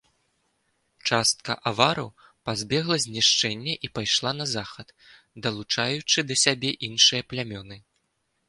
Частка авараў пазбегла знішчэння і пайшла на захад, далучаючы да сабе іншыя плямёны.